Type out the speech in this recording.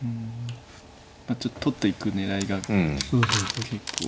ちょっと取っていく狙いが結構。